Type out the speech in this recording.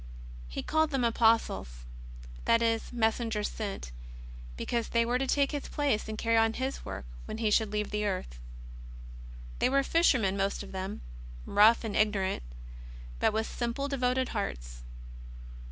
He called them Apostles, that is, messengers sent, because they were to take His place and carry on His work when He should leave the earth. They were fishermen, most of them, rough and ignorant, but with simple, devoted hearts.